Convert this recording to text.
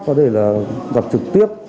có thể là gặp trực tiếp